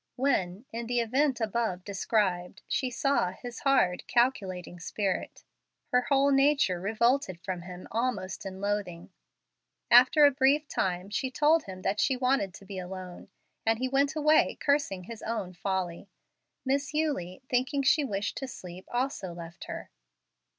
When, in the event above described, she saw his hard, calculating spirit, her whole nature revolted from him almost in loathing. After a brief time she told him that she wanted to be alone, and he went away cursing his own folly. Miss Eulie, thinking she wished to sleep, also left her.